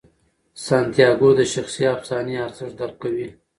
سانتیاګو د شخصي افسانې ارزښت درک کوي.